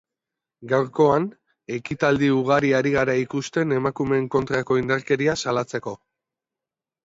Gaurkoan, ekitaldi ugari ari gara ikusten emakumeen kontrako indarkeria salatzeko.